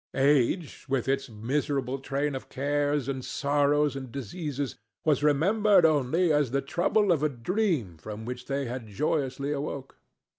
Age, with its miserable train of cares and sorrows and diseases, was remembered only as the trouble of a dream from which they had joyously awoke.